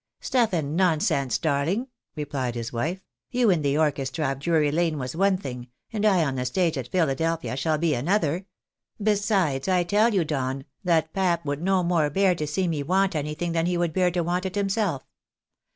" Stuff and nonsense, darling," replied his wife ;" you in the orchestra of Drury Lane was one thing, and I on the stage at Philadelphia shall be another. Besides I tell you, Don, that pap would no more bear to see me want anything, than he would bear to want it himself.